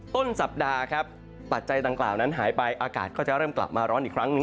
ต้นสัปดาห์ครับปัจจัยดังกล่าวนั้นหายไปอากาศก็จะเริ่มกลับมาร้อนอีกครั้งหนึ่ง